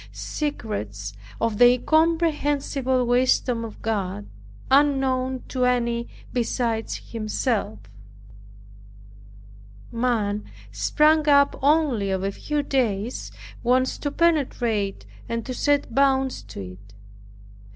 Secrets of the incomprehensible wisdom of God, unknown to any besides Himself! Man, sprung up only of a few days, wants to penetrate, and to set bounds to it.